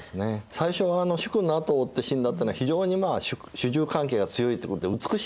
最初は主君のあとを追って死んだってのは非常に主従関係が強いってことで美しいことだってことでね